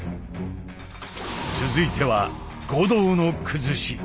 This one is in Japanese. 続いては護道の崩し。